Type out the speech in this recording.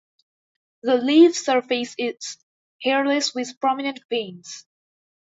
The leaf surface is hairless with prominent veins.